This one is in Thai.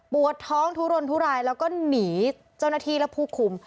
ปวดท้องทุรนทุรายแล้วก็หนีเจ้าหน้าที่และผู้คุม